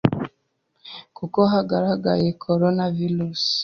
kuko hagaragaye corona virus